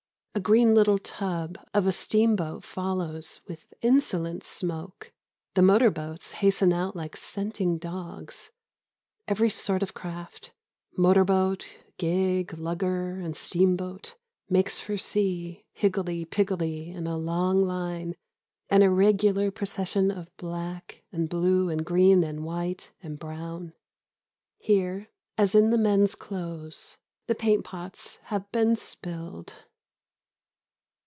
A green little tub of a steamboat follows with insolent smoke. The motor boats hasten out like scenting dogs. Every sort of craft motor boat, gig, lugger and steamboat makes for sea, higgledy piggledy in a long line, an irregular procession of black and blue and green and white and brown. Here, as in the men's clothes, the paint pots have been spilled.